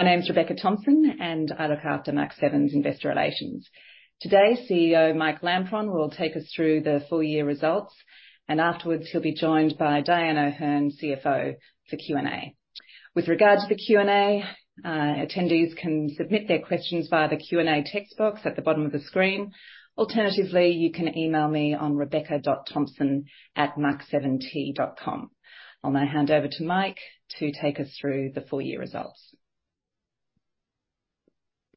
My name is Rebecca Thompson, and I look after Mach7's investor relations. Today, CEO Mike Lampron will take us through the full year results, and afterwards he'll be joined by Dyan O'Herne, CFO, for Q&A. With regard to the Q&A, attendees can submit their questions via the Q&A text box at the bottom of the screen. Alternatively, you can email me on rebecca.thompson@mach7t.com. I'll now hand over to Mike to take us through the full year results.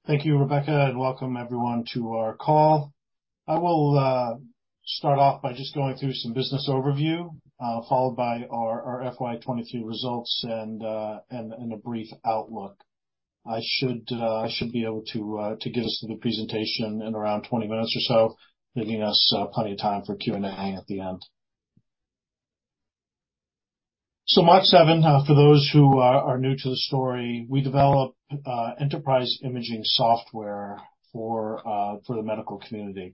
Thank you, Rebecca, and welcome everyone to our call. I will start off by just going through some business overview, followed by our FY 2023 results and a brief outlook. I should be able to get us through the presentation in around 20 minutes or so, leaving us plenty of time for Q&A at the end. So Mach7, for those who are new to the story, we develop enterprise imaging software for the medical community.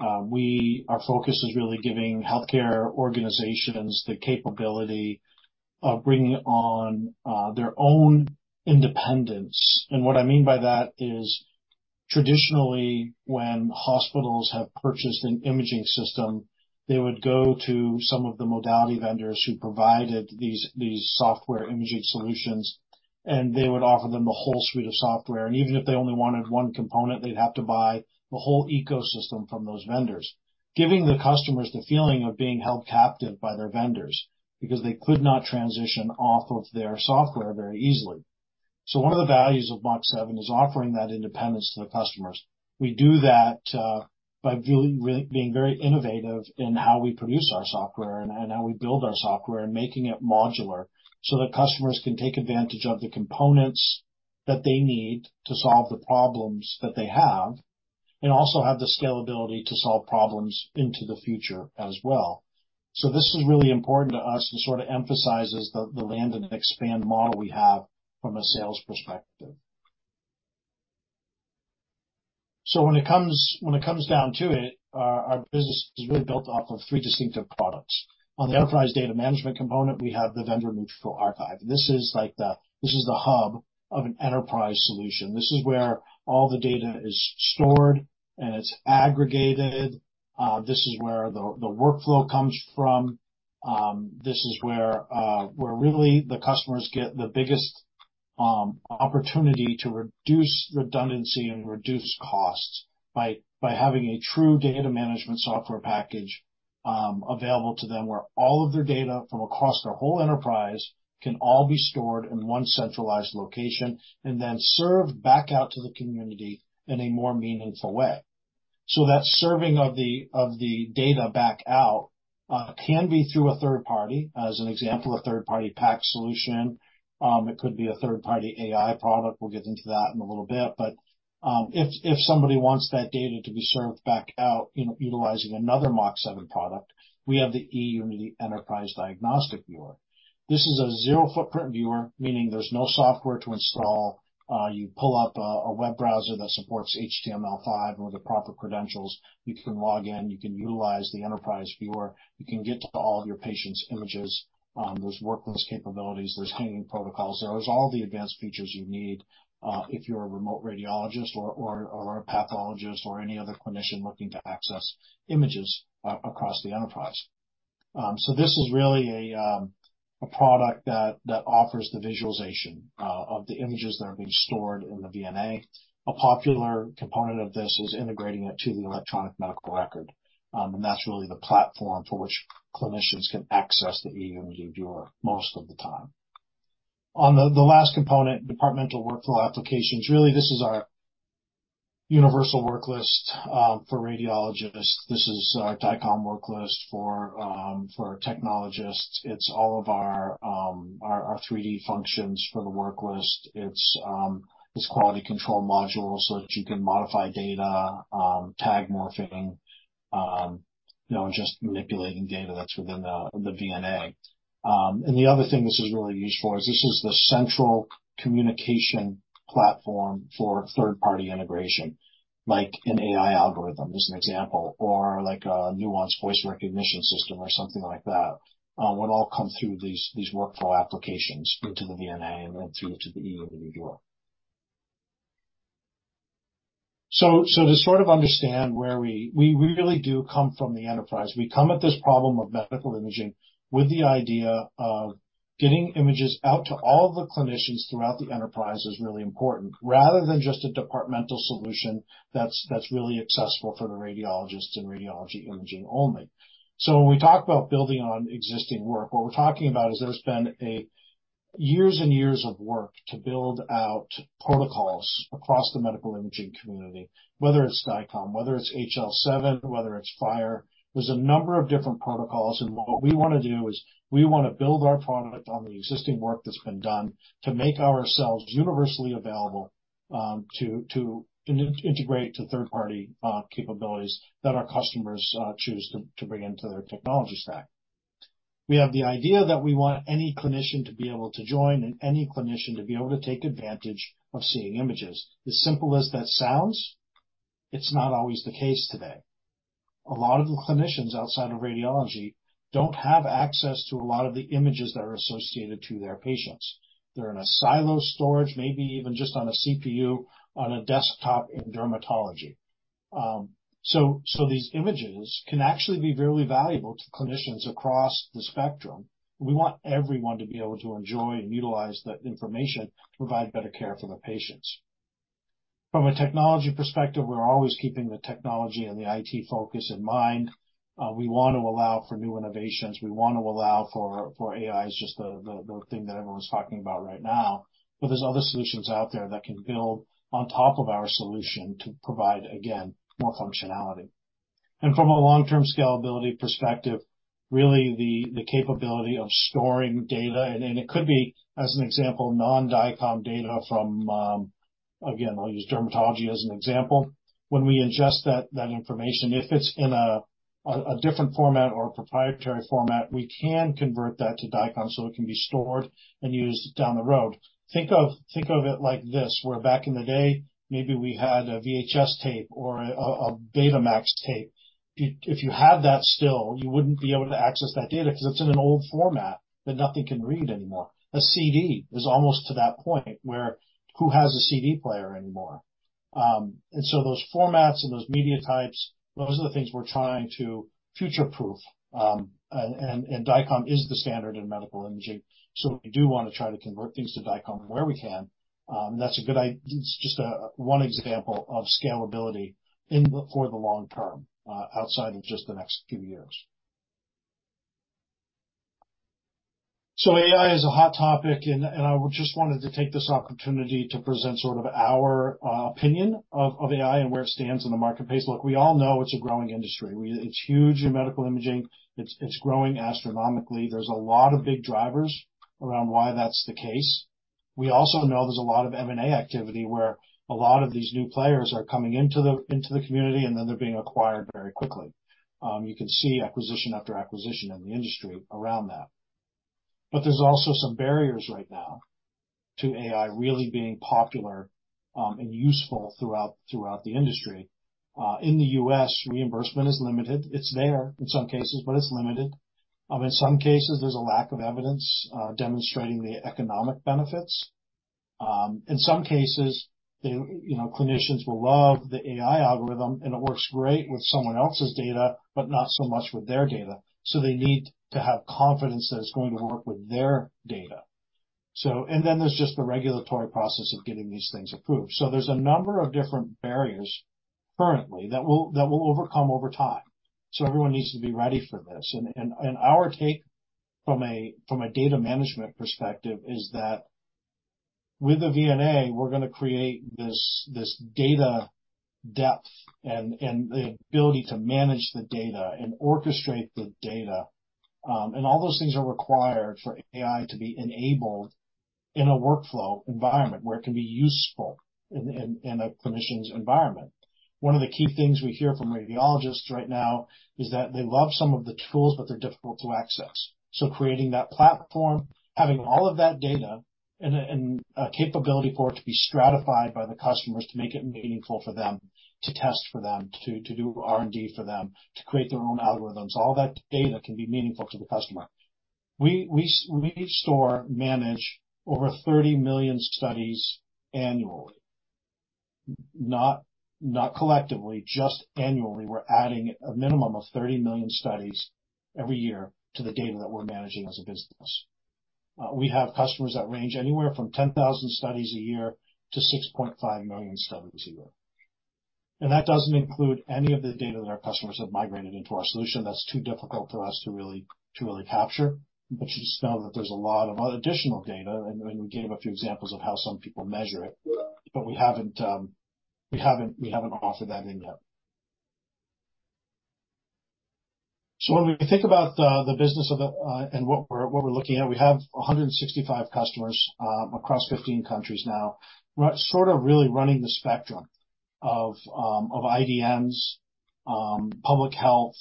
Our focus is really giving healthcare organizations the capability of bringing on their own independence. What I mean by that is traditionally, when hospitals have purchased an imaging system, they would go to some of the modality vendors who provided these software imaging solutions, and they would offer them the whole suite of software. Even if they only wanted one component, they'd have to buy the whole ecosystem from those vendors, giving the customers the feeling of being held captive by their vendors because they could not transition off of their software very easily. One of the values of Mach7 is offering that independence to the customers. We do that by really being very innovative in how we produce our software and how we build our software, and making it modular so that customers can take advantage of the components that they need to solve the problems that they have, and also have the scalability to solve problems into the future as well. So this is really important to us and sort of emphasizes the land and expand model we have from a sales perspective. So when it comes down to it, our business is really built off of three distinctive products. On the enterprise data management component, we have the Vendor Neutral Archive. This is like the... This is the hub of an enterprise solution. This is where all the data is stored, and it's aggregated. This is where the workflow comes from. This is where really the customers get the biggest opportunity to reduce redundancy and reduce costs by having a true data management software package available to them, where all of their data from across their whole enterprise can all be stored in one centralized location and then served back out to the community in a more meaningful way. So that serving of the data back out can be through a third party. As an example, a third-party PACS solution. It could be a third-party AI product. We'll get into that in a little bit, but if somebody wants that data to be served back out in utilizing another Mach7 product, we have the eUnity Enterprise Diagnostic Viewer. This is a zero footprint viewer, meaning there's no software to install. You pull up a web browser that supports HTML5 with the proper credentials. You can log in, you can utilize the enterprise viewer, you can get to all of your patients' images. There's workloads capabilities, there is hanging protocols, there is all the advanced features you need, if you're a remote radiologist or a pathologist, or any other clinician looking to access images across the enterprise. So this is really a product that offers the visualization of the images that are being stored in the VNA. A popular component of this is integrating it to the electronic medical record, and that's really the platform for which clinicians can access the eUnity viewer most of the time. On the last component, departmental workflow applications. Really, this is our universal worklist for radiologists. This is our DICOM worklist for technologists. It's all of our 3D functions for the worklist. It's this quality control module so that you can modify data, tag morphing, you know, just manipulating data that's within the VNA. And the other thing this is really used for is this is the central communication platform for third-party integration, like an AI algorithm, as an example, or like a Nuance voice recognition system or something like that. Would all come through these workflow applications into the VNA and then through to the eUnity viewer. So to sort of understand where we really do come from the enterprise. We come at this problem of medical imaging with the idea of getting images out to all the clinicians throughout the enterprise is really important, rather than just a departmental solution that's really accessible for the radiologists and radiology imaging only. So when we talk about building on existing work, what we're talking about is there's been years and years of work to build out protocols across the medical imaging community, whether it's DICOM, whether it's HL7, whether it's FHIR. There's a number of different protocols, and what we wanna do is we wanna build our product on the existing work that's been done to make ourselves universally available, to integrate to third-party capabilities that our customers choose to bring into their technology stack. We have the idea that we want any clinician to be able to join and any clinician to be able to take advantage of seeing images. As simple as that sounds, it's not always the case today... A lot of the clinicians outside of radiology don't have access to a lot of the images that are associated to their patients. They're in a silo storage, maybe even just on a CPU, on a desktop in dermatology. So, so these images can actually be very valuable to clinicians across the spectrum. We want everyone to be able to enjoy and utilize that information to provide better care for the patients. From a technology perspective, we're always keeping the technology and the IT focus in mind. We want to allow for new innovations. We want to allow for AI, is just the thing that everyone's talking about right now, but there's other solutions out there that can build on top of our solution to provide, again, more functionality. And from a long-term scalability perspective, really the capability of storing data, and it could be, as an example, non-DICOM data from, again, I'll use dermatology as an example. When we ingest that information, if it's in a different format or a proprietary format, we can convert that to DICOM so it can be stored and used down the road. Think of it like this, where back in the day, maybe we had a VHS tape or a Betamax tape. If you have that still, you wouldn't be able to access that data because it's in an old format that nothing can read anymore. A CD is almost to that point where, who has a CD player anymore? And so those formats and those media types, those are the things we're trying to future-proof. And DICOM is the standard in medical imaging, so we do want to try to convert things to DICOM where we can. That's a good—it's just one example of scalability in the... For the long term, outside of just the next few years. So AI is a hot topic, and I just wanted to take this opportunity to present sort of our opinion of AI and where it stands in the marketplace. Look, we all know it's a growing industry. It's huge in medical imaging. It's growing astronomically. There's a lot of big drivers around why that's the case. We also know there's a lot of M&A activity, where a lot of these new players are coming into the community, and then they're being acquired very quickly. You can see acquisition after acquisition in the industry around that. But there's also some barriers right now to AI really being popular and useful throughout the industry. In the U.S., reimbursement is limited. It's there in some cases, but it's limited. In some cases, there's a lack of evidence demonstrating the economic benefits. In some cases, you know, clinicians will love the AI algorithm, and it works great with someone else's data, but not so much with their data. So they need to have confidence that it's going to work with their data. So and then there's just the regulatory process of getting these things approved. So there's a number of different barriers currently that will overcome over time. So everyone needs to be ready for this. And our take from a data management perspective is that with the VNA, we're gonna create this data depth and the ability to manage the data and orchestrate the data. And all those things are required for AI to be enabled in a workflow environment, where it can be useful in a clinician's environment. One of the key things we hear from radiologists right now is that they love some of the tools, but they're difficult to access. So creating that platform, having all of that data and a capability for it to be stratified by the customers, to make it meaningful for them, to test for them, to do R&D for them, to create their own algorithms, all that data can be meaningful to the customer. We store, manage over 30 million studies annually. Not collectively, just annually. We're adding a minimum of 30 million studies every year to the data that we're managing as a business. We have customers that range anywhere from 10,000 studies a year to 6.5 million studies a year. And that doesn't include any of the data that our customers have migrated into our solution. That's too difficult for us to really capture, but you just know that there's a lot of other additional data, and we gave a few examples of how some people measure it, but we haven't offered that in yet. So when we think about the business and what we're looking at, we have 165 customers across 15 countries now. We're sort of really running the spectrum of IDNs, public health,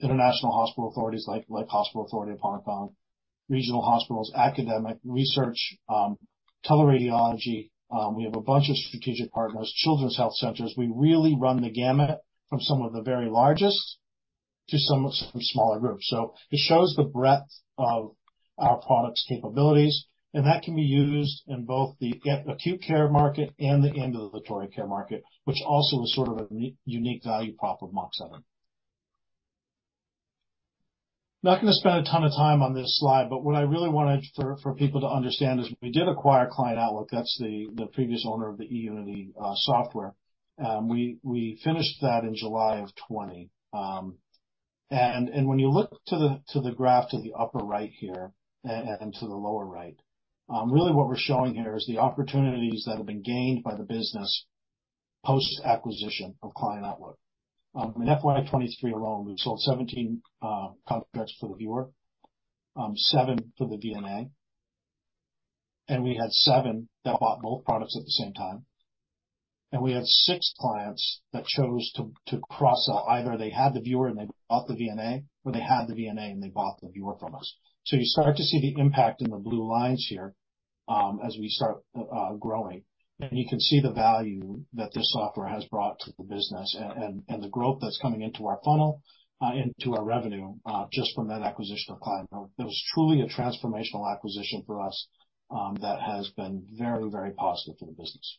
international hospital authorities like Hospital Authority of Hong Kong, regional hospitals, academic research, teleradiology. We have a bunch of strategic partners, children's health centers. We really run the gamut from some of the very largest to some smaller groups. It shows the breadth of our product's capabilities, and that can be used in both the acute care market and the ambulatory care market, which also is sort of a unique value prop of Mach7. Not gonna spend a ton of time on this slide, but what I really wanted for people to understand is we did acquire Client Outlook. That's the previous owner of the eUnity software. We finished that in July of 2020. And when you look to the graph to the upper right here and to the lower right, really what we're showing here is the opportunities that have been gained by the business post-acquisition of Client Outlook. In FY 2023 alone, we sold 17 contracts for the viewer, seven for the VNA, and we had seven that bought both products at the same time. And we had six clients that chose to cross-sell. Either they had the viewer, and they bought the VNA, or they had the VNA, and they bought the viewer from us. So you start to see the impact in the blue lines here... as we start growing. And you can see the value that this software has brought to the business and the growth that's coming into our funnel into our revenue just from that acquisition of Client Outlook. It was truly a transformational acquisition for us that has been very, very positive for the business.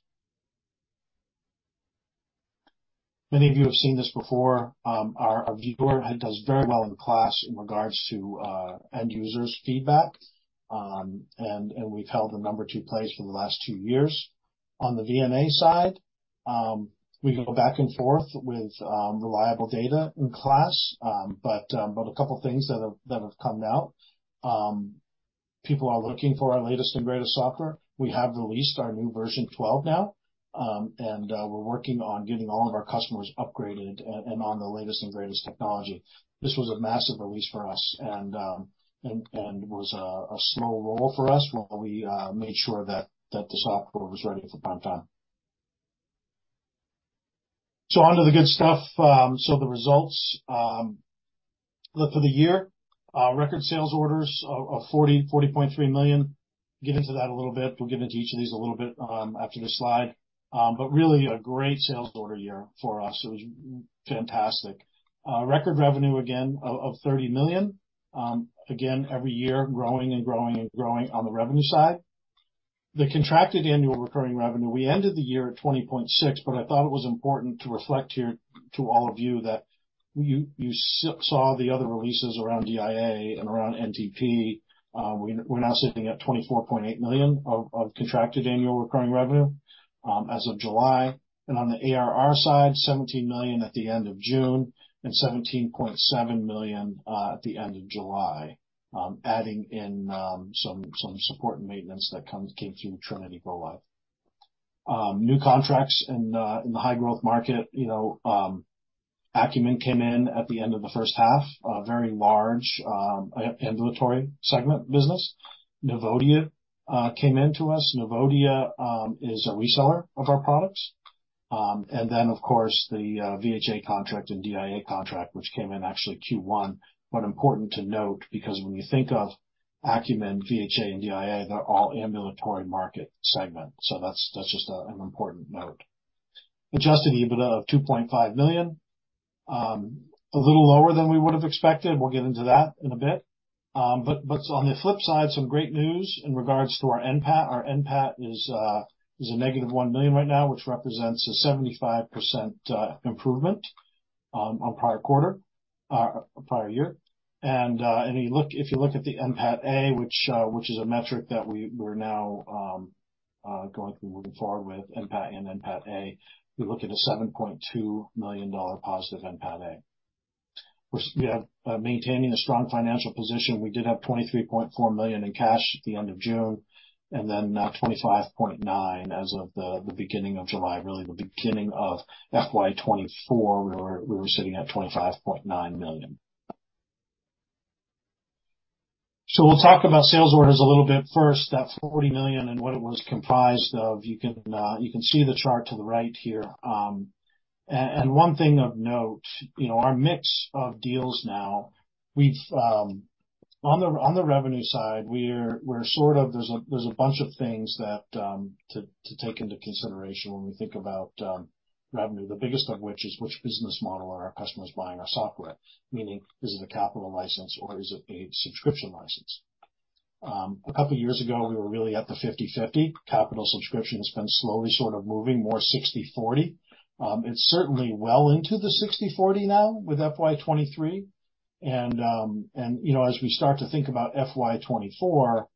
Many of you have seen this before. Our viewer does very well in KLAS in regards to end users' feedback. And we've held the number two place for the last two years. On the VNA side, we go back and forth with Merative in KLAS. But a couple of things that have come out. People are looking for our latest and greatest software. We have released our new version 12 now, and we're working on getting all of our customers upgraded and on the latest and greatest technology. This was a massive release for us and was a slow roll for us while we made sure that the software was ready for prime time. So on to the good stuff. So the results for the year, record sales orders of 40.3 million. Get into that a little bit. We'll get into each of these a little bit after this slide. But really a great sales order year for us. It was fantastic. Record revenue, again, of 30 million. Again, every year, growing and growing and growing on the revenue side. The contracted annual recurring revenue, we ended the year at 20.6 million, but I thought it was important to reflect here to all of you that you saw the other releases around DIA and around NTP. We're now sitting at 24.8 million of contracted annual recurring revenue as of July. On the ARR side, 17 million at the end of June and 17.7 million at the end of July, adding in some support and maintenance that came through Trinity go-live. New contracts in the high-growth market. You know, Akumin came in at the end of the first half, a very large ambulatory segment business. Nuvodia came in to us. Nuvodia is a reseller of our products. And then, of course, the VHA contract and DIA contract, which came in actually Q1. But important to note, because when you think of Akumin, VHA, and DIA, they're all ambulatory market segments. So that's just an important note. Adjusted EBITDA of 2.5 million. A little lower than we would have expected. We'll get into that in a bit. But on the flip side, some great news in regards to our NPAT. Our NPAT is a negative 1 million right now, which represents a 75% improvement on prior quarter, prior year. If you look at the NPAT-A, which is a metric that we're now going forward with NPAT and NPAT-A, we look at a AUD 7.2 million positive NPAT-A. Which we have maintaining a strong financial position. We did have 23.4 million in cash at the end of June, and then 25.9 million as of the beginning of July. Really, at the beginning of FY 2024, we were sitting at 25.9 million. So we'll talk about sales orders a little bit first, that 40 million and what it was comprised of. You can see the chart to the right here. And one thing of note, you know, our mix of deals now, we've. On the revenue side, we're sort of there's a bunch of things that to take into consideration when we think about revenue, the biggest of which is which business model are our customers buying our software? Meaning, is it a capital license or is it a subscription license? A couple of years ago, we were really at the 50/50. Capital subscription has been slowly sort of moving more 60/40. It's certainly well into the 60/40 now with FY 2023. You know, as we start to think about FY 2024,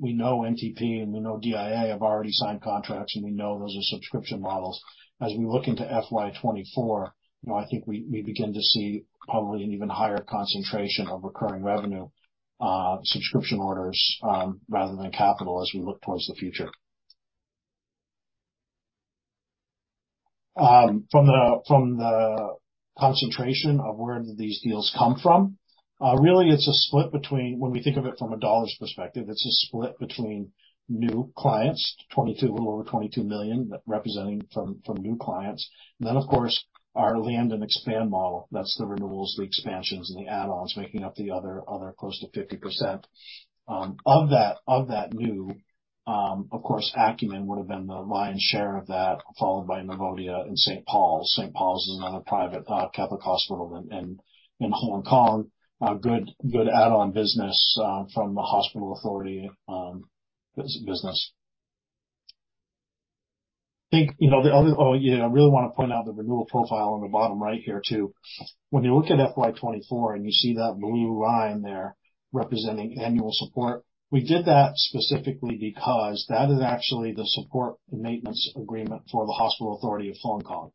we know NTP and we know DIA have already signed contracts, and we know those are subscription models. As we look into FY 2024, you know, I think we begin to see probably an even higher concentration of recurring revenue subscription orders rather than capital as we look towards the future. From the concentration of where these deals come from, really, it's a split between, when we think of it from a dollars perspective, it's a split between new clients, 22 million, a little over 22 million, representing from new clients. And then, of course, our land and expand model, that's the renewals, the expansions, and the add-ons, making up the other close to 50%. Of that new, of course, Akumin would have been the lion's share of that, followed by Nuvodia and St. Paul's. St. Paul's is another private Catholic hospital in Hong Kong. A good add-on business from the Hospital Authority business. I think, you know, the other. Oh, yeah, I really want to point out the renewal profile on the bottom right here, too. When you look at FY 2024 and you see that blue line there representing annual support, we did that specifically because that is actually the support and maintenance agreement for the Hospital Authority of Hong Kong.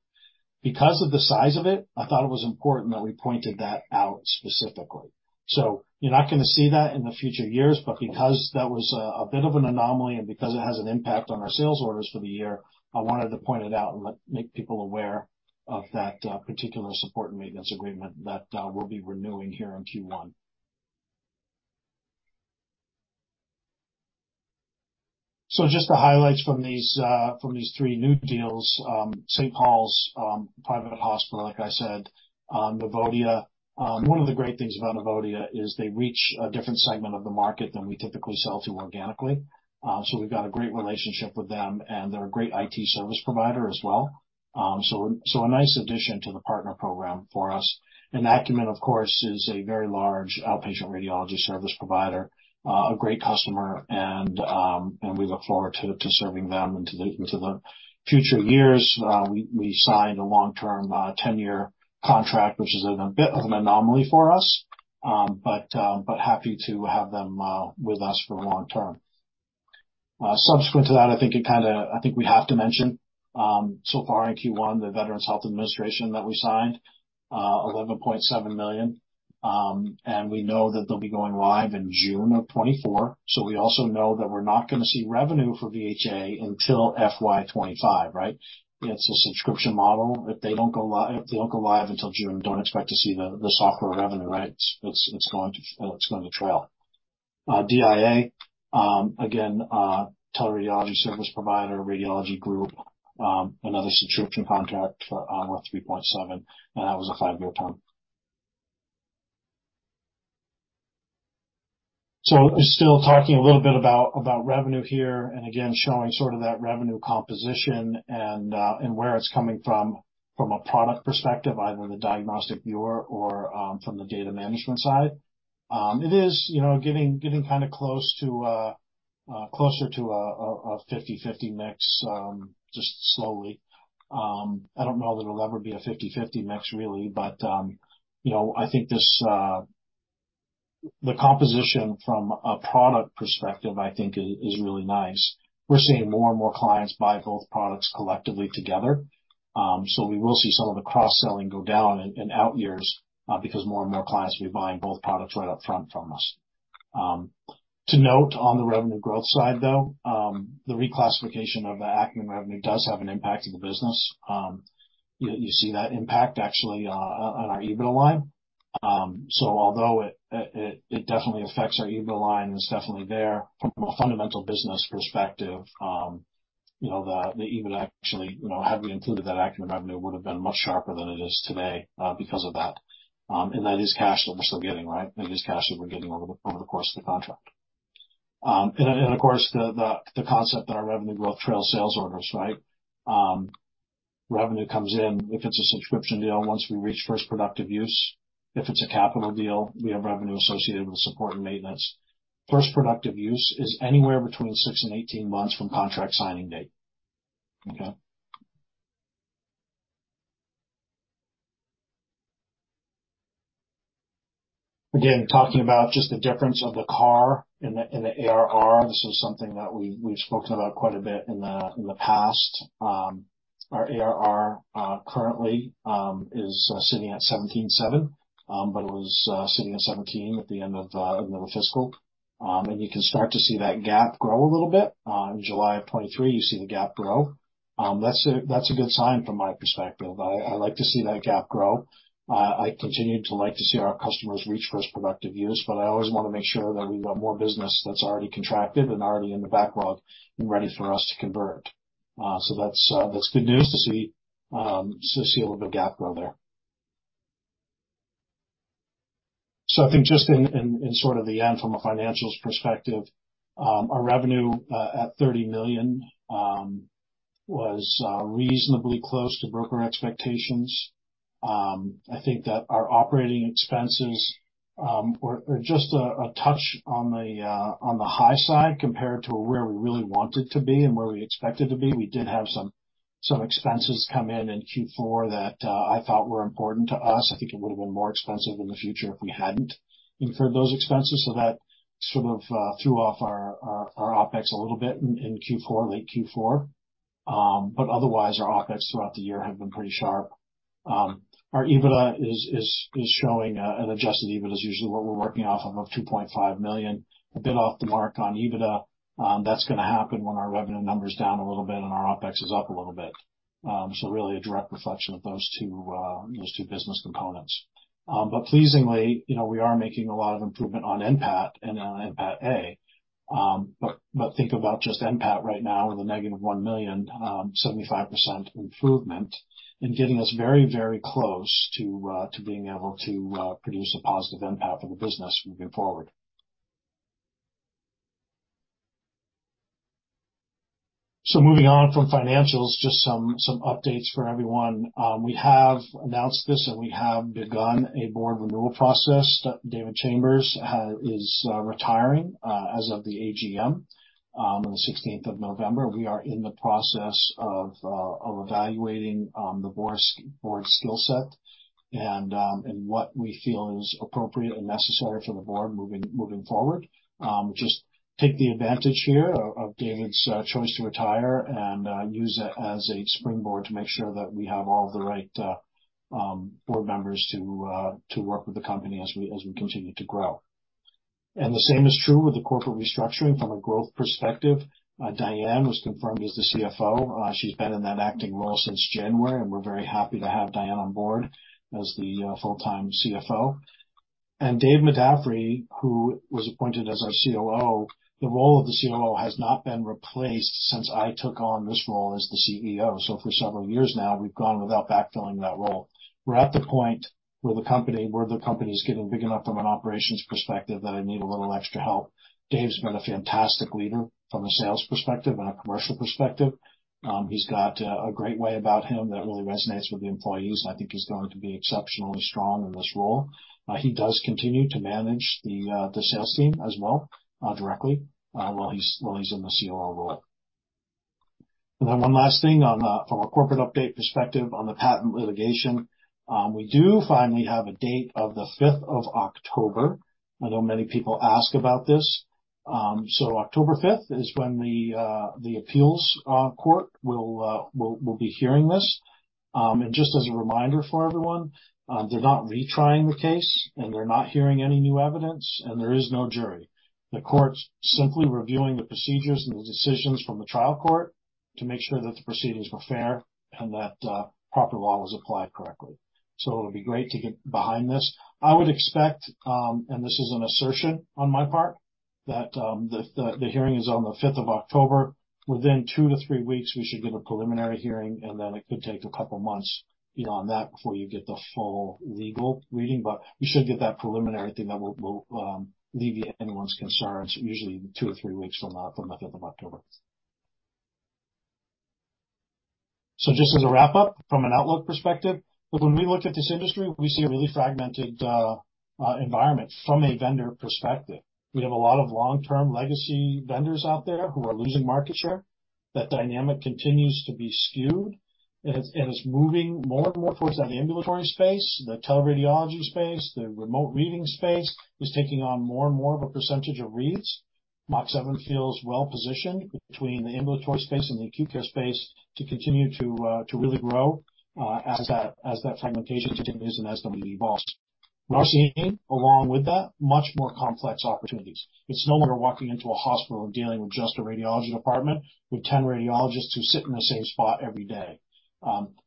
Because of the size of it, I thought it was important that we pointed that out specifically. So you're not going to see that in the future years, but because that was a bit of an anomaly and because it has an impact on our sales orders for the year, I wanted to point it out and make people aware of that particular support and maintenance agreement that we'll be renewing here in Q1. So just the highlights from these three new deals. St. Paul's private hospital, like I said, Nuvodia. One of the great things about Nuvodia is they reach a different segment of the market than we typically sell to organically. So we've got a great relationship with them, and they're a great IT service provider as well. So a nice addition to the partner program for us. Akumin, of course, is a very large outpatient radiology service provider, a great customer, and we look forward to serving them into the future years. We signed a long-term, 10-year contract, which is a bit of an anomaly for us, but happy to have them with us for the long term. Subsequent to that, I think we have to mention, so far in Q1, the Veterans Health Administration that we signed, 11.7 million. And we know that they'll be going live in June of 2024, so we also know that we're not going to see revenue for VHA until FY 2025, right? It's a subscription model. If they don't go live, if they don't go live until June, don't expect to see the software revenue, right? It's going to trail. DIA, again, teleradiology service provider, radiology group, another subscription contract worth 3.7 million, and that was a five-year term. So still talking a little bit about revenue here, and again, showing sort of that revenue composition and where it's coming from, from a product perspective, either the diagnostic viewer or from the data management side. It is, you know, getting kind of close to closer to a 50/50 mix, just slowly. I don't know that it'll ever be a 50/50 mix, really, but you know, I think this, the composition from a product perspective, I think is really nice. We're seeing more and more clients buy both products collectively together. So we will see some of the cross-selling go down in outyears, because more and more clients will be buying both products right up front from us. To note, on the revenue growth side, though, the reclassification of the Akumin revenue does have an impact in the business. You see that impact actually on our EBITDA line. So although it definitely affects our EBITDA line, it's definitely there. From a fundamental business perspective, you know, the EBITDA actually, you know, had we included that Akumin revenue, would have been much sharper than it is today, because of that. And that is cash that we're still getting, right? That is cash that we're getting over the course of the contract. And of course, the concept that our revenue growth trails sales orders, right? Revenue comes in if it's a subscription deal, once we reach first productive use. If it's a capital deal, we have revenue associated with support and maintenance. First productive use is anywhere between six and 18 months from contract signing date. Okay. Again, talking about just the difference of the CAR and the ARR, this is something that we've spoken about quite a bit in the past. Our ARR currently is sitting at 17.7 million, but it was sitting at 17 million at the end of the middle of fiscal. And you can start to see that gap grow a little bit. In July of 2023, you see the gap grow. That's a, that's a good sign from my perspective. I, I like to see that gap grow. I continue to like to see our customers reach first productive use, but I always want to make sure that we've got more business that's already contracted and already in the backlog and ready for us to convert. So that's, that's good news to see, to see a little bit of gap grow there. So I think just in, in, in sort of the end, from a financials perspective, our revenue at 30 million was reasonably close to broker expectations. I think that our operating expenses were, were just a, a touch on the, on the high side compared to where we really wanted to be and where we expected to be. We did have some expenses come in in Q4 that I thought were important to us. I think it would have been more expensive in the future if we hadn't incurred those expenses. So that sort of threw off our OpEx a little bit in Q4, late Q4. But otherwise, our OpEx throughout the year have been pretty sharp. Our EBITDA is showing an Adjusted EBITDA, is usually what we're working off of, of 2.5 million, a bit off the mark on EBITDA. That's going to happen when our revenue number's down a little bit and our OpEx is up a little bit. So really a direct reflection of those two business components. But pleasingly, you know, we are making a lot of improvement on NPAT and on NPAT-A. But think about just NPAT right now with a negative 1 million, 75% improvement in getting us very, very close to being able to produce a positive NPAT for the business moving forward. So moving on from financials, just some updates for everyone. We have announced this, and we have begun a board renewal process, that David Chambers is retiring as of the AGM on the 16th of November. We are in the process of evaluating the board skill set and what we feel is appropriate and necessary for the board moving forward. Just take the advantage here of David's choice to retire and use it as a springboard to make sure that we have all the right board members to work with the company as we continue to grow. The same is true with the corporate restructuring from a growth perspective. Dyan was confirmed as the CFO. She's been in that acting role since January, and we're very happy to have Dyan on board as the full-time CFO. Dave Madaffri, who was appointed as our COO, the role of the COO has not been replaced since I took on this role as the CEO. So for several years now, we've gone without backfilling that role. We're at the point where the company is getting big enough from an operations perspective that I need a little extra help. Dave's been a fantastic leader from a sales perspective and a commercial perspective. He's got a great way about him that really resonates with the employees. I think he's going to be exceptionally strong in this role. He does continue to manage the sales team as well, directly, while he's in the COO role. And then one last thing on from a corporate update perspective on the patent litigation. We do finally have a date of the fifth of October. I know many people ask about this. So October 5th is when the appeals court will be hearing this. And just as a reminder for everyone, they're not retrying the case, and they're not hearing any new evidence, and there is no jury. The court's simply reviewing the procedures and the decisions from the trial court to make sure that the proceedings were fair and that proper law was applied correctly. So it'll be great to get behind this. I would expect, and this is an assertion on my part, that the hearing is on the 5th of October. Within two to three weeks, we should get a preliminary hearing, and then it could take a couple of months beyond that before you get the full legal reading. But you should get that preliminary thing that will alleviate anyone's concerns, usually two or three weeks from now, from the 5th of October. So just as a wrap-up, from an outlook perspective, when we look at this industry, we see a really fragmented environment from a vendor perspective. We have a lot of long-term legacy vendors out there who are losing market share. That dynamic continues to be skewed, and it's moving more and more towards that ambulatory space, the teleradiology space, the remote reading space, is taking on more and more of a percentage of reads. Mach7 feels well-positioned between the ambulatory space and the acute care space to continue to really grow as that fragmentation continues and as we evolve. We are seeing, along with that, much more complex opportunities. It's no longer walking into a hospital and dealing with just a radiology department with 10 radiologists who sit in the same spot every day.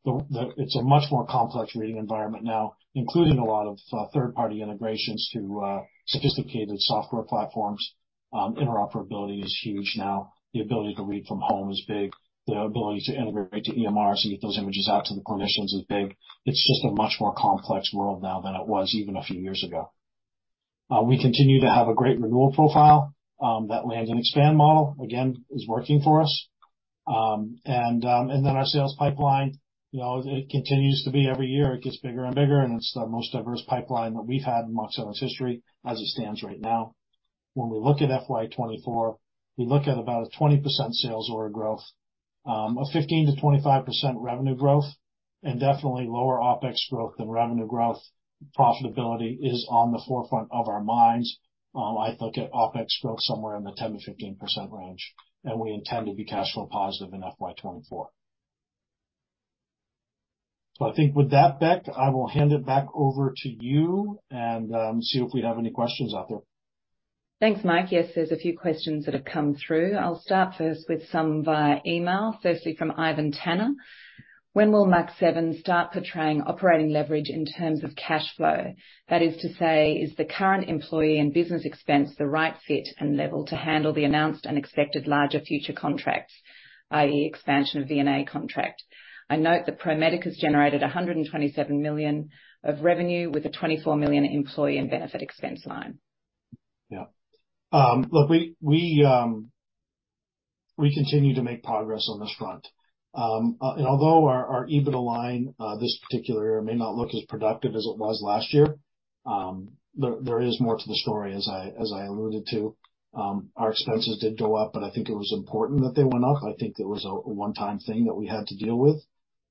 It's a much more complex reading environment now, including a lot of third-party integrations to sophisticated software platforms. Interoperability is huge now. The ability to read from home is big. The ability to integrate to EMR to get those images out to the clinicians is big. It's just a much more complex world now than it was even a few years ago. We continue to have a great renewal profile, that land and expand model, again, is working for us. And then our sales pipeline, you know, it continues to be every year, it gets bigger and bigger, and it's the most diverse pipeline that we've had in Mach7's history as it stands right now. When we look at FY 2024, we look at about a 20% sales order growth, a 15%-25% revenue growth, and definitely lower OpEx growth than revenue growth. Profitability is on the forefront of our minds. I look at OpEx growth somewhere in the 10%-15% range, and we intend to be cash flow positive in FY 2024. So I think with that, Beck, I will hand it back over to you and see if we have any questions out there. Thanks, Mike. Yes, there's a few questions that have come through. I'll start first with some via email. Firstly, from Ivan Tanner: When will Mach7 start portraying operating leverage in terms of cash flow? That is to say, is the current employee and business expense the right fit and level to handle the announced and expected larger future contracts, i.e., expansion of VNA contract? I note that ProMedica has generated 127 million of revenue with a 24 million employee and benefit expense line. Yeah. Look, we continue to make progress on this front. And although our EBITDA line this particular year may not look as productive as it was last year, there is more to the story as I alluded to. Our expenses did go up, but I think it was important that they went up. I think it was a one-time thing that we had to deal with.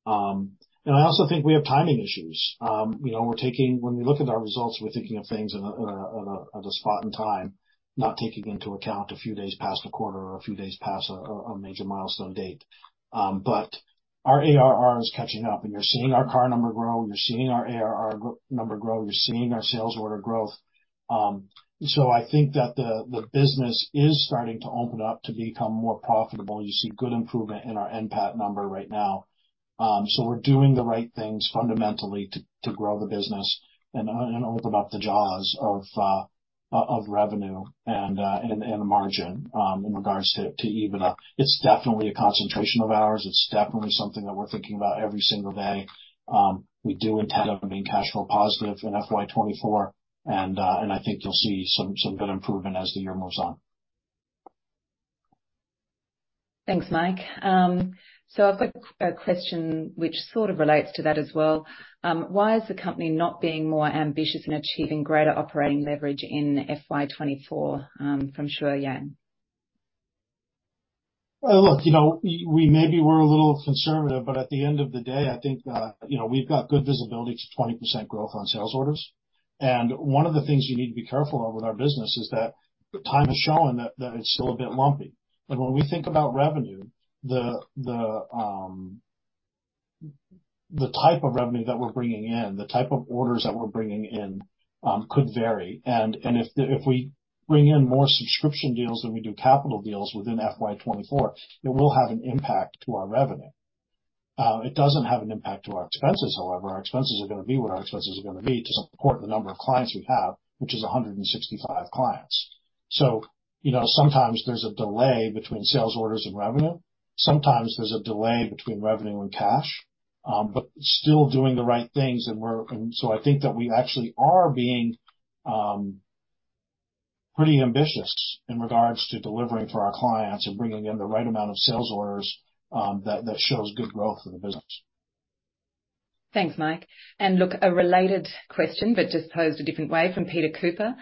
And I also think we have timing issues. You know, we're taking—When we look at our results, we're thinking of things on a spot in time, not taking into account a few days past a quarter or a few days past a major milestone date. But our ARR is catching up, and you're seeing our CAR number grow, you're seeing our ARR number grow, you're seeing our sales order growth. So I think that the business is starting to open up to become more profitable. You see good improvement in our NPAT number right now. So we're doing the right things fundamentally to grow the business and open up the jaws of revenue and margin, in regards to EBITDA. It's definitely a concentration of ours. It's definitely something that we're thinking about every single day. We do intend on being cash flow positive in FY 2024, and I think you'll see some good improvement as the year moves on. Thanks, Mike. So I've got a question which sort of relates to that as well. Why is the company not being more ambitious in achieving greater operating leverage in FY 2024? From Shuo Yang. Well, look, you know, we maybe were a little conservative, but at the end of the day, I think, you know, we've got good visibility to 20% growth on sales orders. And one of the things you need to be careful of with our business is that time has shown that it's still a bit lumpy. And when we think about revenue, the type of revenue that we're bringing in, the type of orders that we're bringing in, could vary. And if we bring in more subscription deals than we do capital deals within FY 2024, it will have an impact to our revenue. It doesn't have an impact to our expenses, however. Our expenses are gonna be what our expenses are gonna be to support the number of clients we have, which is 165 clients. So, you know, sometimes there's a delay between sales orders and revenue. Sometimes there's a delay between revenue and cash, but still doing the right things, and so I think that we actually are being pretty ambitious in regards to delivering for our clients and bringing in the right amount of sales orders, that that shows good growth for the business. Thanks, Mike. Look, a related question, but just posed a different way from Peter Cooper: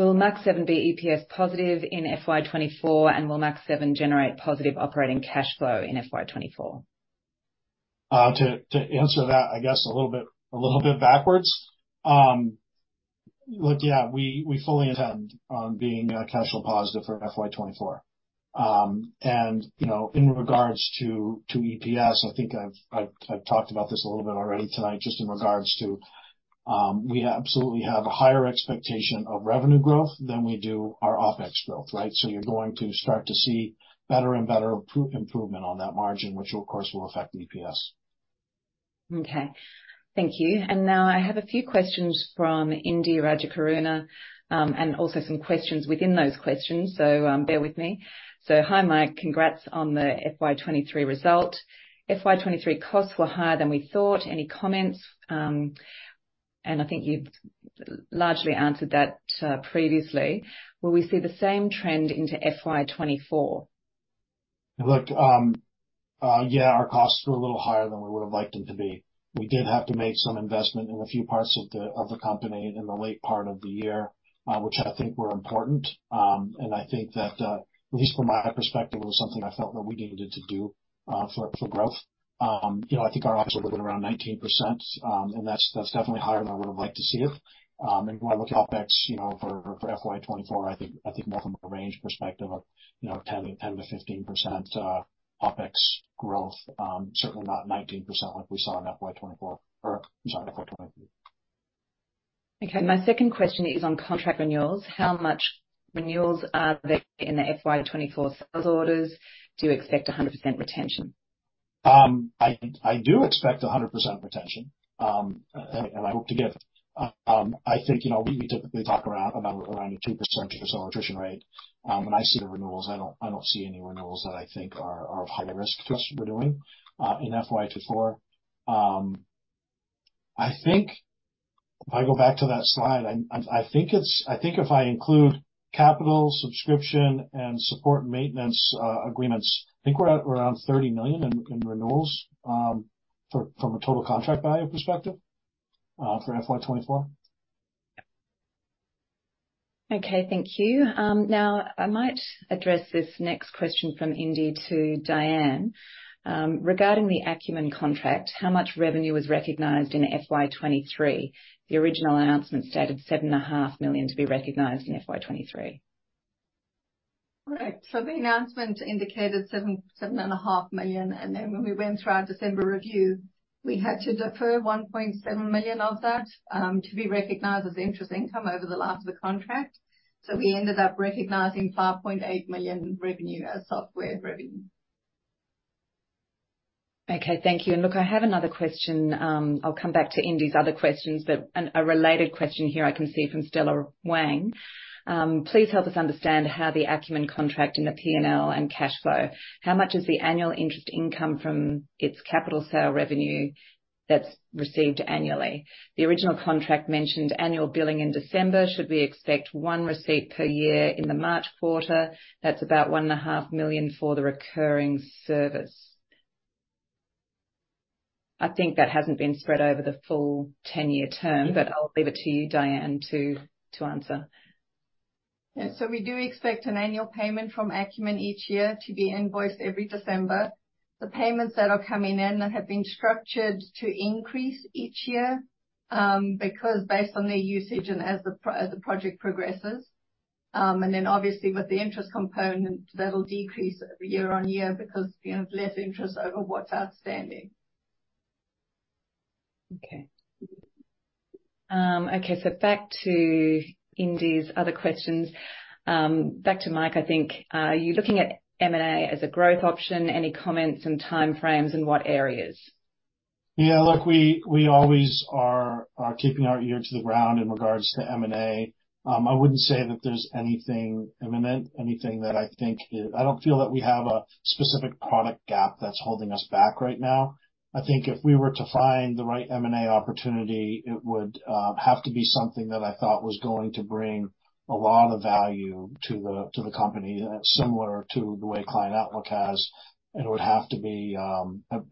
Will Mach7 be EPS positive in FY 2024, and will Mach7 generate positive operating cash flow in FY 2024? To answer that, I guess, a little bit, a little bit backwards. Look, yeah, we fully intend on being cash flow positive for FY 2024. And, you know, in regards to EPS, I think I've talked about this a little bit already tonight, just in regards to... We absolutely have a higher expectation of revenue growth than we do our OpEx growth, right? So you're going to start to see better and better improvement on that margin, which, of course, will affect EPS. Okay. Thank you. And now I have a few questions from Indy Rajakaruna, and also some questions within those questions, so, bear with me. So hi, Mike. Congrats on the FY 2023 result. FY 2023 costs were higher than we thought. Any comments? And I think you've largely answered that, previously. Will we see the same trend into FY 2024? Look, yeah, our costs were a little higher than we would have liked them to be. We did have to make some investment in a few parts of the company in the late part of the year, which I think were important. And I think that, at least from my perspective, it was something I felt that we needed to do, for growth. You know, I think our OpEx was around 19%, and that's definitely higher than I would have liked to see it. And when I look at OpEx, you know, for FY 2024, I think more from a range perspective of, you know, 10%-15% OpEx growth, certainly not 19% like we saw in FY 2024, or I'm sorry, FY 2023. Okay, my second question is on contract renewals. How much renewals are there in the FY 2024 sales orders? Do you expect 100% retention? I do expect 100% retention, and I hope to get. I think, you know, we typically talk about around a 2% attrition rate. When I see the renewals, I don't see any renewals that I think are of high risk for us we're doing in FY 2024. I think if I go back to that slide, I think if I include capital, subscription, and support maintenance agreements, I think we're at around 30 million in renewals, from a total contract value perspective, for FY 2024. Okay. Thank you. Now, I might address this next question from Indy to Dyan. Regarding the Akumin contract, how much revenue was recognized in FY 2023? The original announcement stated 7.5 million to be recognized in FY 2023. Correct. So the announcement indicated 7.5 million, and then when we went through our December review, we had to defer 1.7 million of that to be recognized as interest income over the life of the contract. So we ended up recognizing 5.8 million revenue as software revenue. Okay, thank you. And look, I have another question. I'll come back to Indy's other questions, but a related question here I can see from Stella Wang. Please help us understand how the Akumin contract in the P&L and cash flow. How much is the annual interest income from its capital sale revenue that's received annually? The original contract mentioned annual billing in December. Should we expect one receipt per year in the March quarter? That's about 1.5 million for the recurring service. I think that hasn't been spread over the full 10-year term, but I'll leave it to you, Dyan, to answer. Yeah. So we do expect an annual payment from Akumin each year to be invoiced every December. The payments that are coming in have been structured to increase each year, because based on their usage and as the project progresses, and then obviously with the interest component, that'll decrease year on year because you have less interest over what's outstanding. Okay. Okay, so back to Indy's other questions. Back to Mike, I think. Are you looking at M&A as a growth option? Any comments and timeframes, and what areas? Yeah, look, we always are keeping our ear to the ground in regards to M&A. I wouldn't say that there's anything imminent, anything that I think is... I don't feel that we have a specific product gap that's holding us back right now. I think if we were to find the right M&A opportunity, it would have to be something that I thought was going to bring a lot of value to the company, similar to the way Client Outlook has. And it would have to be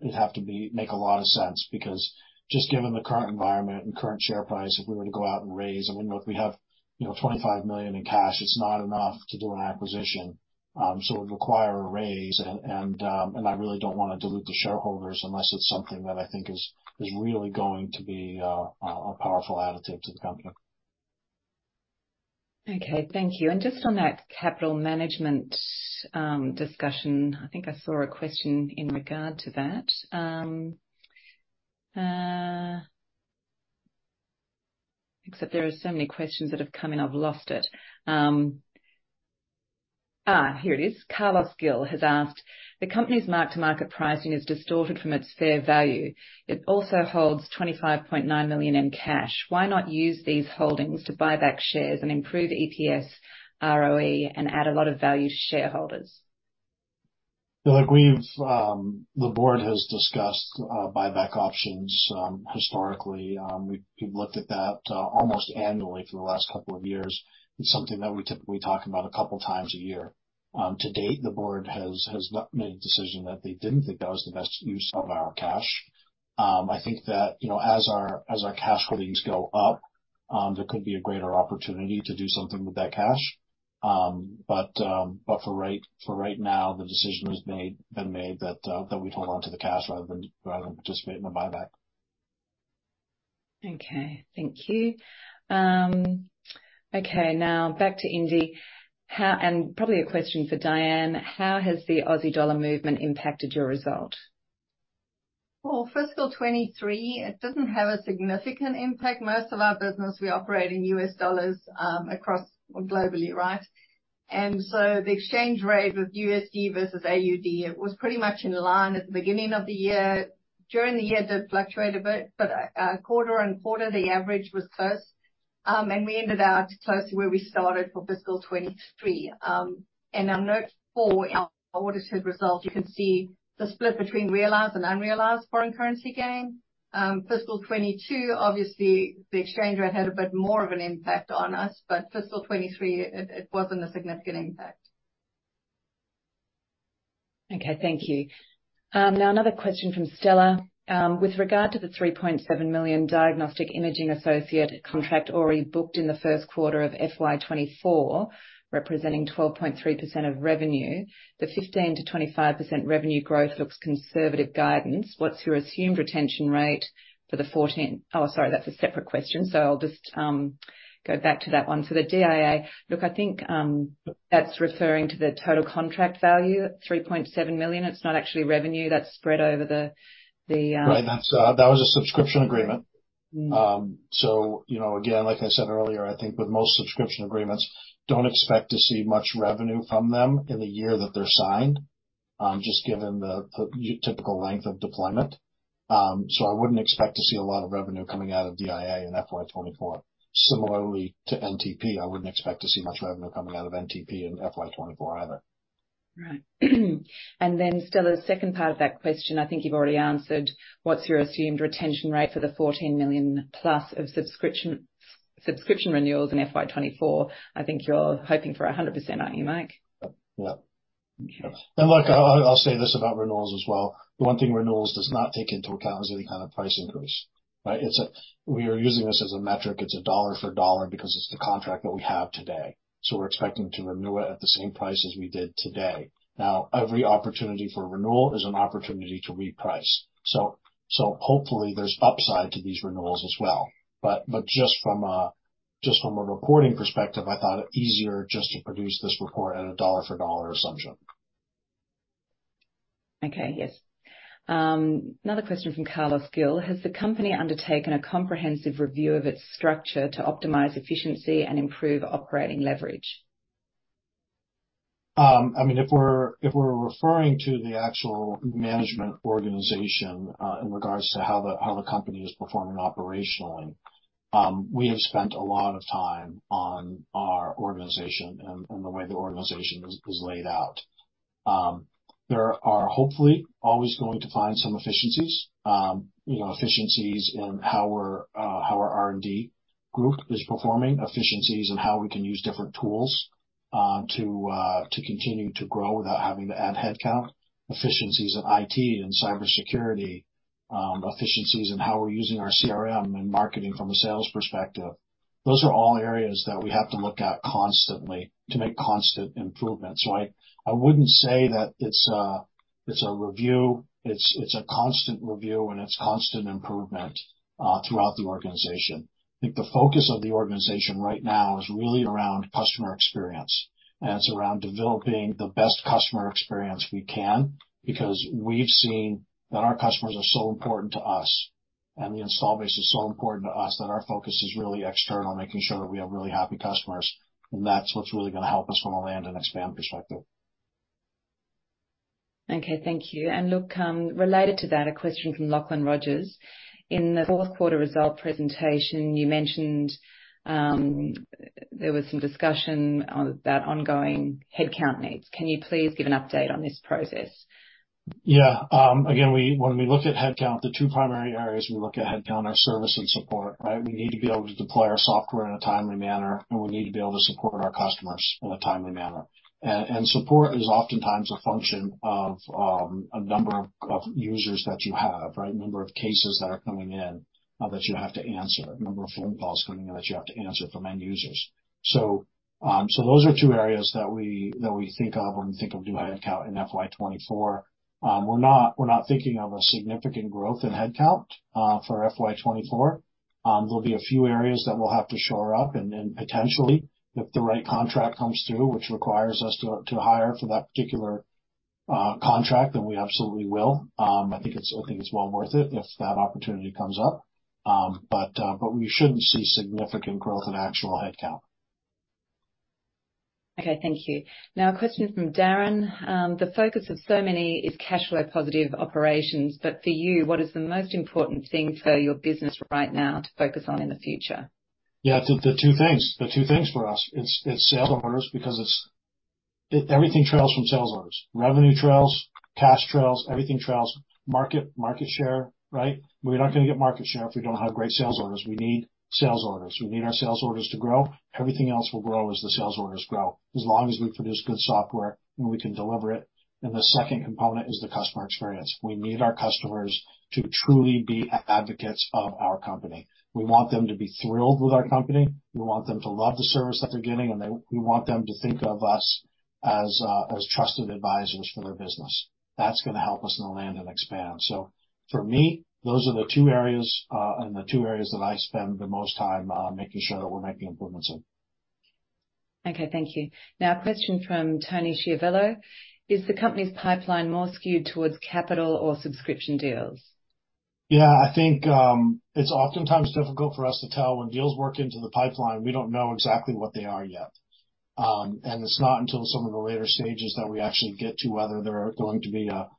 it'd have to be make a lot of sense because just given the current environment and current share price, if we were to go out and raise, I wouldn't know, if we have, you know, 25 million in cash, it's not enough to do an acquisition. So it would require a raise, and I really don't want to dilute the shareholders unless it's something that I think is really going to be a powerful additive to the company. Okay, thank you. And just on that capital management discussion, I think I saw a question in regard to that. Except there are so many questions that have come in, I've lost it. Here it is. Carlos Gill has asked: The company's mark-to-market pricing is distorted from its fair value. It also holds 25.9 million in cash. Why not use these holdings to buy back shares and improve EPS ROE and add a lot of value to shareholders? Look, the board has discussed buyback options historically. We've, we've looked at that almost annually for the last couple of years. It's something that we typically talk about a couple times a year. To date, the board has, has not made a decision that they didn't think that was the best use of our cash. I think that, you know, as our, as our cash flows go up, there could be a greater opportunity to do something with that cash. But, but for right, for right now, the decision is made, been made, that, that we hold on to the cash rather than, rather than participating in a buyback. Okay. Thank you. Okay, now back to Indy. How... And probably a question for Dyan. How has the Aussie dollar movement impacted your result? Well, fiscal 2023, it doesn't have a significant impact. Most of our business, we operate in U.S. dollars across globally, right? And so the exchange rate with USD versus AUD, it was pretty much in line at the beginning of the year. During the year, it did fluctuate a bit, but quarter on quarter, the average was close. And we ended out close to where we started for fiscal 2023. And on note four, in our audited results, you can see the split between realized and unrealized foreign currency gain. Fiscal 2022, obviously, the exchange rate had a bit more of an impact on us, but fiscal 2023, it wasn't a significant impact. Okay. Thank you. Now another question from Stella. With regard to the 3.7 million Diagnostic Imaging Associates contract already booked in the first quarter of FY 2024, representing 12.3% of revenue, the 15%-25% revenue growth looks conservative guidance. What's your assumed retention rate? Oh, sorry, that's a separate question, so I'll just go back to that one. For the DIA. Look, I think that's referring to the total contract value, 3.7 million. It's not actually revenue that's spread over the. Right. That's, that was a subscription agreement. Mm. So, you know, again, like I said earlier, I think with most subscription agreements, don't expect to see much revenue from them in the year that they're signed, just given the typical length of deployment. So I wouldn't expect to see a lot of revenue coming out of DIA in FY 2024. Similarly to NTP, I wouldn't expect to see much revenue coming out of NTP in FY 2024 either. Right. And then Stella's second part of that question, I think you've already answered: What's your assumed retention rate for the 14 million-plus of subscription, subscription renewals in FY 2024? I think you're hoping for 100%, aren't you, Mike? Yep. Yep. And look, I'll say this about renewals as well. The one thing renewals does not take into account is any kind of price increase, right? We are using this as a metric. It's a dollar-for-dollar, because it's the contract that we have today, so we're expecting to renew it at the same price as we did today. Now, every opportunity for renewal is an opportunity to reprice, so hopefully there's upside to these renewals as well. But just from a reporting perspective, I thought it easier just to produce this report at a dollar-for-dollar assumption. Okay. Yes. Another question from Carlos Gill: Has the company undertaken a comprehensive review of its structure to optimize efficiency and improve operating leverage? I mean, if we're referring to the actual management organization, in regards to how the company is performing operationally, we have spent a lot of time on our organization and the way the organization is laid out. There are hopefully always going to find some efficiencies. You know, efficiencies in how our R&D group is performing, efficiencies in how we can use different tools to continue to grow without having to add headcount, efficiencies in IT and cybersecurity, efficiencies in how we're using our CRM and marketing from a sales perspective. Those are all areas that we have to look at constantly to make constant improvements. So I wouldn't say that it's a review. It's a constant review, and it's constant improvement throughout the organization. I think the focus of the organization right now is really around customer experience, and it's around developing the best customer experience we can, because we've seen that our customers are so important to us, and the install base is so important to us, that our focus is really external, making sure that we have really happy customers, and that's what's really going to help us from a land and expand perspective. Okay, thank you. And look, related to that, a question from Lachlan Rogers: In the fourth quarter result presentation, you mentioned, there was some discussion about ongoing headcount needs. Can you please give an update on this process? Yeah. Again, when we look at headcount, the two primary areas we look at headcount are service and support, right? We need to be able to deploy our software in a timely manner, and we need to be able to support our customers in a timely manner. Support is oftentimes a function of a number of users that you have, right? Number of cases that are coming in that you have to answer, number of phone calls coming in that you have to answer from end users. Those are two areas that we think of when we think of doing headcount in FY 2024. We're not thinking of a significant growth in headcount for FY 2024. There'll be a few areas that we'll have to shore up and then potentially, if the right contract comes through, which requires us to hire for that particular contract, then we absolutely will. I think it's well worth it if that opportunity comes up. But we shouldn't see significant growth in actual headcount. Okay, thank you. Now, a question from Darren. The focus of so many is cash flow positive operations, but for you, what is the most important thing for your business right now to focus on in the future? Yeah, the two things for us, it's sales orders, because it's everything trails from sales orders. Revenue trails, cash trails, everything trails, market share, right? We're not gonna get market share if we don't have great sales orders. We need sales orders. We need our sales orders to grow. Everything else will grow as the sales orders grow, as long as we produce good software and we can deliver it. And the second component is the customer experience. We need our customers to truly be advocates of our company. We want them to be thrilled with our company. We want them to love the service that they're getting, and we want them to think of us as trusted advisors for their business. That's gonna help us in the land and expand. So for me, those are the two areas, and the two areas that I spend the most time making sure that we're making improvements in. Okay, thank you. Now, a question from Tony Schiavello: is the company's pipeline more skewed towards capital or subscription deals? Yeah, I think it's oftentimes difficult for us to tell. When deals work into the pipeline, we don't know exactly what they are yet. And it's not until some of the later stages that we actually get to whether they're going to be a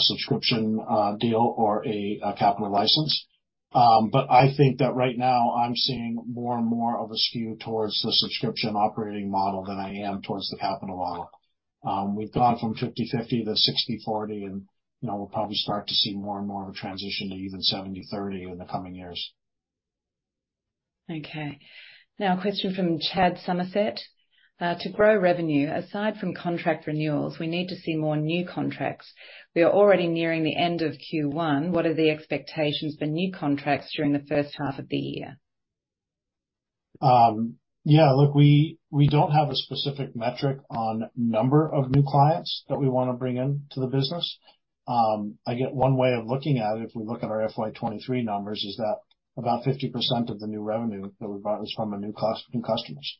subscription deal or a capital license. But I think that right now I'm seeing more and more of a skew towards the subscription operating model than I am towards the capital model. We've gone from 50/50 to 60/40, and, you know, we'll probably start to see more and more of a transition to even 70/30 in the coming years. Okay. Now, a question from Chad Somerset. To grow revenue, aside from contract renewals, we need to see more new contracts. We are already nearing the end of Q1. What are the expectations for new contracts during the first half of the year? Yeah, look, we, we don't have a specific metric on number of new clients that we wanna bring in to the business. I get one way of looking at it, if we look at our FY 2023 numbers, is that about 50% of the new revenue that we brought was from new customers.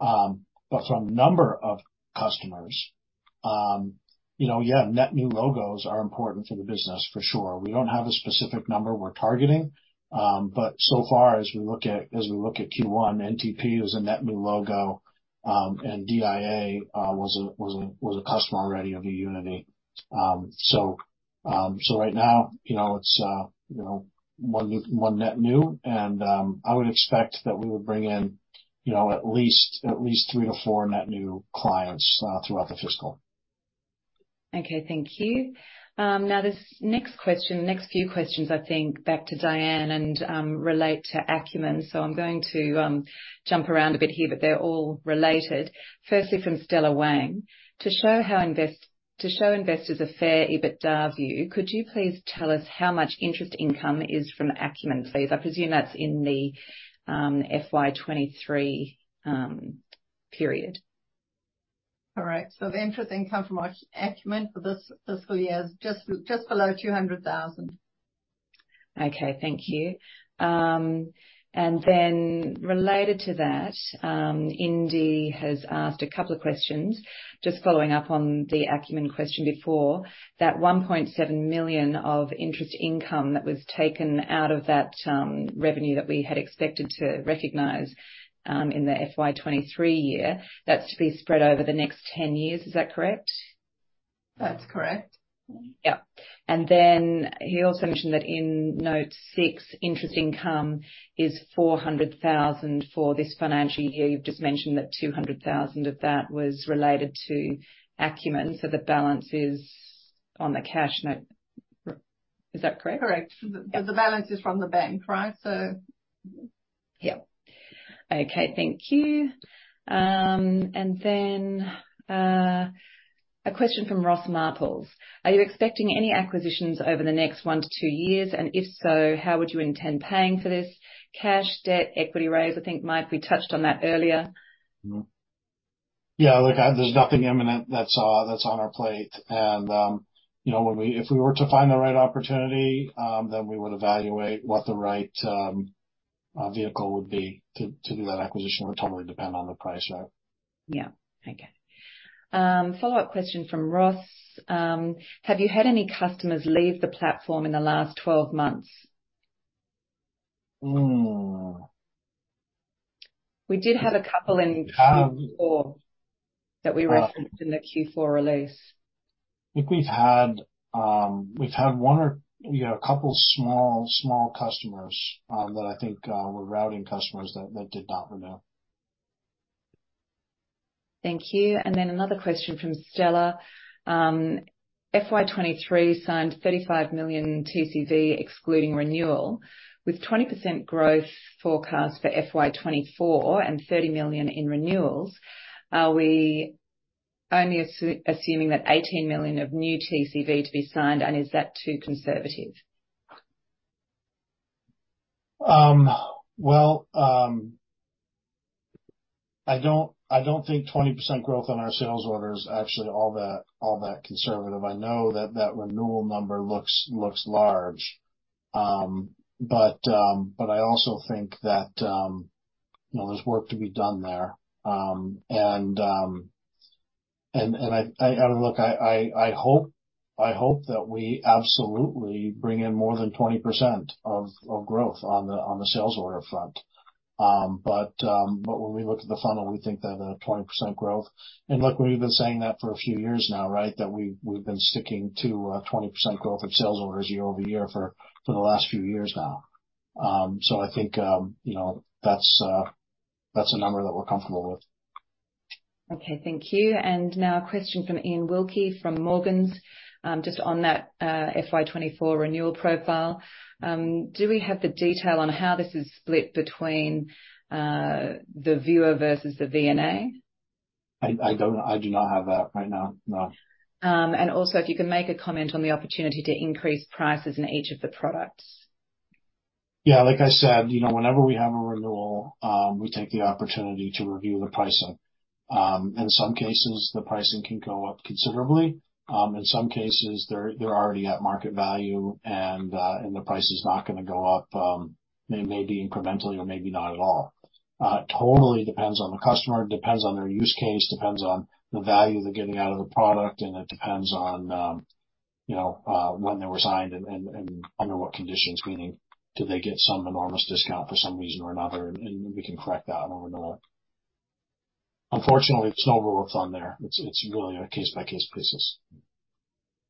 But from number of customers, you know, yeah, net new logos are important for the business for sure. We don't have a specific number we're targeting, but so far, as we look at, as we look at Q1, NTP is a net new logo, and DIA was a customer already of eUnity. So right now, you know, it's one net new, and I would expect that we will bring in, you know, at least three to four net new clients throughout the fiscal. Okay, thank you. Now this next question, next few questions, I think, back to Dyan and relate to Akumin. So I'm going to jump around a bit here, but they're all related. Firstly, from Stella Wang: To show investors a fair EBITDA view, could you please tell us how much interest income is from Akumin, please? I presume that's in the FY 2023 period. All right. So the interest income from our Akumin for this fiscal year is just, just below 200,000. Okay, thank you. And then related to that, Indy has asked a couple of questions, just following up on the Akumin question before. That 1.7 million of interest income that was taken out of that, revenue that we had expected to recognize, in the FY 2023 year, that's to be spread over the next 10 years. Is that correct? That's correct. Yeah. Then he also mentioned that in Note 6, interest income is 400,000 for this fiscal year. You've just mentioned that 200,000 of that was related to Akumin, so the balance is on the cash note. Is that correct? Correct. Yeah. The balance is from the bank, right? So... Yeah. Okay, thank you. And then, a question from Ross Marples: Are you expecting any acquisitions over the next one to two years? And if so, how would you intend paying for this? Cash, debt, equity raise? I think, Mike, we touched on that earlier. Mm-hmm. Yeah, look, there's nothing imminent that's on our plate. And, you know, if we were to find the right opportunity, then we would evaluate what the right vehicle would be to do that acquisition. It would totally depend on the price, right? Yeah. Okay. Follow-up question from Ross. Have you had any customers leave the platform in the last 12 months? Mm. We did have a couple in Q4- Um- that we referenced in the Q4 release. I think we've had one or we had a couple small customers that I think were routing customers that did not renew. Thank you. Then another question from Stella. FY 2023 signed 35 million TCV, excluding renewal. With 20% growth forecast for FY 2024 and 30 million in renewals, are we only assuming that 18 million of new TCV to be signed, and is that too conservative? Well, I don't think 20% growth on our sales order is actually all that conservative. I know that renewal number looks large. But I also think that. You know, there's work to be done there. And look, I hope that we absolutely bring in more than 20% growth on the sales order front. But when we look at the funnel, we think that a 20% growth. And look, we've been saying that for a few years now, right? That we've been sticking to 20% growth in sales orders year over year for the last few years now. So I think, you know, that's a number that we're comfortable with. Okay, thank you. And now a question from Ian Wilkie from Morgans. Just on that, FY 2024 renewal profile, do we have the detail on how this is split between the viewer versus the VNA? I do not have that right now, no. Also, if you can make a comment on the opportunity to increase prices in each of the products. Yeah, like I said, you know, whenever we have a renewal, we take the opportunity to review the pricing. In some cases, the pricing can go up considerably. In some cases, they're already at market value, and the price is not gonna go up, maybe incrementally or maybe not at all. It totally depends on the customer, it depends on their use case, depends on the value they're getting out of the product, and it depends on, you know, when they were signed and under what conditions. Meaning, do they get some enormous discount for some reason or another? We can correct that over the long. Unfortunately, it's no rule of thumb there. It's really a case-by-case basis.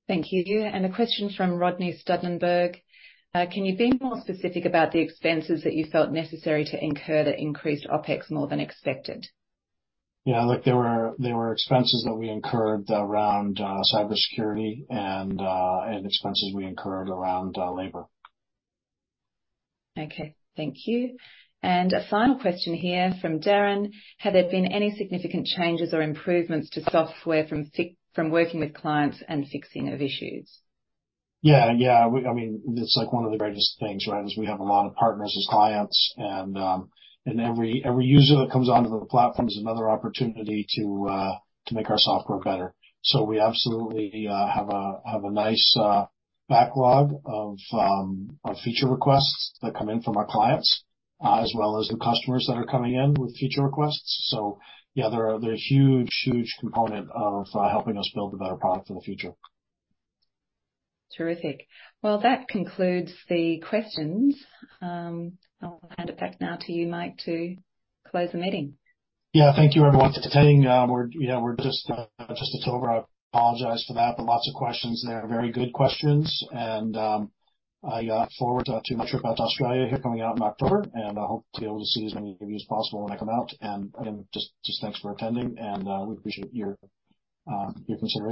Thank you. A question from Rodney Studenberg. Can you be more specific about the expenses that you felt necessary to incur that increased OpEx more than expected? Yeah. Look, there were expenses that we incurred around cybersecurity and expenses we incurred around labor. Okay. Thank you. And a final question here from Darren: Have there been any significant changes or improvements to software from working with clients and fixing of issues? Yeah, yeah. We, I mean, it's, like, one of the greatest things, right? Is we have a lot of partners as clients, and and every user that comes onto the platform is another opportunity to to make our software better. So we absolutely have a nice backlog of our feature requests that come in from our clients as well as the customers that are coming in with feature requests. So yeah, they're a huge huge component of helping us build a better product for the future. Terrific. Well, that concludes the questions. I'll hand it back now to you, Mike, to close the meeting. Yeah. Thank you, everyone, for attending. We're, you know, just it's over. I apologize for that, but lots of questions there. Very good questions, and I look forward to my trip out to Australia here coming out in October, and I hope to be able to see as many of you as possible when I come out. And again, just thanks for attending and we appreciate your, your consideration.